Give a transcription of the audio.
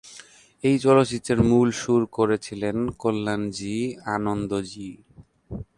এই চলচ্চিত্রের মূল সুর করেছিলেন কল্যাণজী-আনন্দজী।